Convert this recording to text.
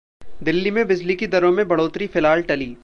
दिल्ली में बिजली की दरों में बढ़ोतरी फिलहाल टली